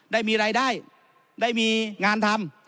ได้มีรายได้ได้มีงานทำ